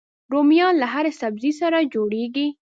رومیان له هرې سبزي سره جوړيږي